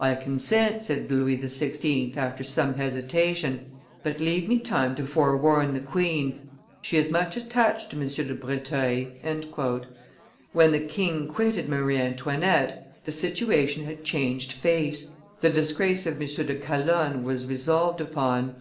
"I consent," said Louis XVI. after some hesitation; "but leave me time to forewarn the queen, she is much attached to M. de Breteuil." When the king quitted Marie Antoinette, the situation had changed face; the disgrace of M. de Calonne was resolved upon.